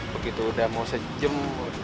begitu udah mau sejam